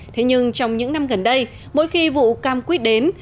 thế nhưng trong những năm gần đây mỗi khi vụ cam quýt đến